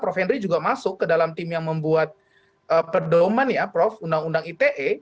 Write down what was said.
prof henry juga masuk ke dalam tim yang membuat pedoman ya prof undang undang ite